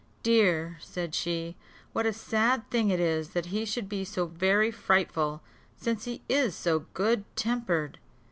"Dear!" said she, "what a sad thing it is that he should be so very frightful, since he is so good tempered!"